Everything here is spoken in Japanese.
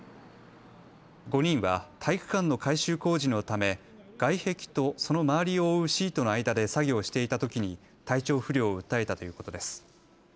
５人は体育館の改修工事のため外壁とその周りを覆うシートの間で作業していたときに体調不良を訴えたということです。